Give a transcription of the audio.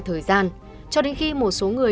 thời gian cho đến khi một số người